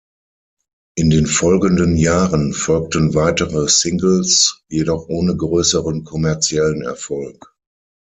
In den folgenden Jahren folgten weitere Singles, jedoch ohne größeren kommerziellen Erfolg.